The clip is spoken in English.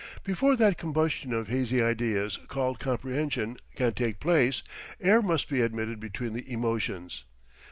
Before that combustion of hazy ideas called comprehension can take place, air must be admitted between the emotions.